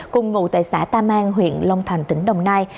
cùng ngụ tại xã tam an huyện long thành tỉnh đồng nai